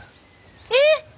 えっ！？